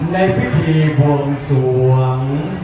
ในพิธีบวงสวง